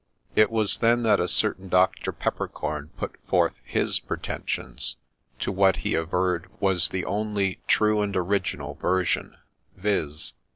It was 68 THE CYNOTAPH then that a certain ' Doctor Peppercorn ' put forth his pretensions, to what he averred was the only true and original ' veision, viz.